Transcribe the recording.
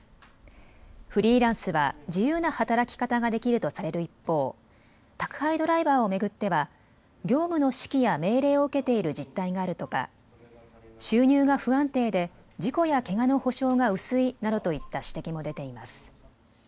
フリーランスは自由な働き方ができるとされる一方、宅配ドライバーを巡っては業務の指揮や命令を受けている実態があるとか収入が不安定で事故やけがの補償が薄いなどといった指摘も出ています。